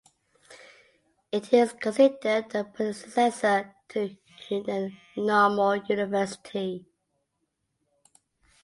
It is considered the predecessor to Hunan Normal University.